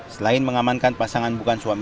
selain mengamankan pasangan bukan suami